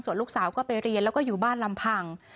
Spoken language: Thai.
ส่วนลูกสาวก็ไปเรียนแล้วก็อยู่บ้านลำพัง